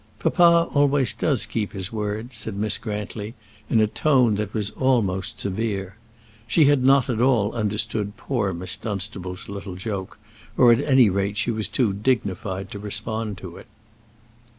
"Papa always does keep his word," said Miss Grantly, in a tone that was almost severe. She had not at all understood poor Miss Dunstable's little joke, or at any rate she was too dignified to respond to it.